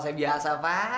saya biasa pak